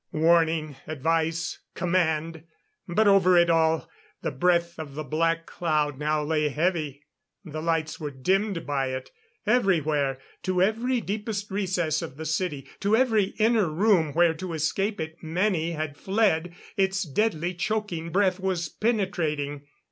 Warning, advice, command! But over it all, the breath of the black cloud now lay heavy. The lights were dimmed by it. Everywhere to every deepest recess of the city to every inner room where to escape it many had fled its deadly choking breath was penetrating.